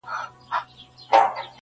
خو یو وخت څارنوال پوه په ټول داستان سو-